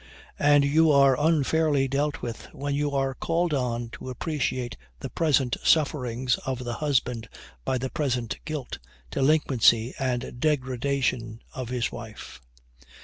And you are unfairly dealt with when you are called on to appreciate the present sufferings of the husband by the present guilt, delinquency, and degradation of his wife.